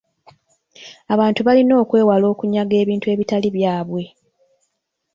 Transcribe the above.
Abantu balina okwewala okunyaga ebintu ebitali byabwe.